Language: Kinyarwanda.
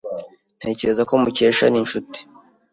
Ntekereza ko Mukesha ari inshuti.